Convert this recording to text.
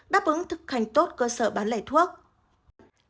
đáp ứng thực hành tốt cơ sở bán lẻ thuốc